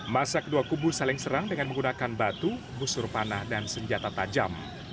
masa kedua kubu saling serang dengan menggunakan batu busur panah dan senjata tajam